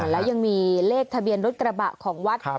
แล้วยังมีเลขทะเบียนรถกระบะของวัด